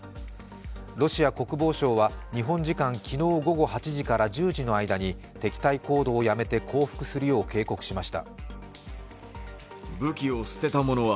ロシア国防省は日本時間昨日午後８時から１０時の間に敵対行動をやめて降伏するよう警告しました。